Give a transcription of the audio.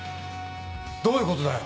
どういうことだよ？